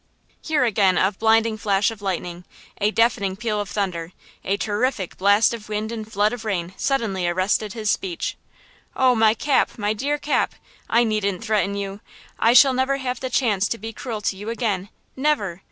Here again a blinding flash of lightning, a deafening peal of thunder, a terrific blast of wind and flood of rain suddenly arrested his speech. "Oh, my Cap! my dear Cap! I needn't threaten you! I shall never have the chance to be cruel to you again–never!